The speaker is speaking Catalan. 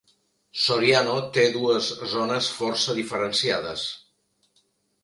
Soriano té dues zones força diferenciades.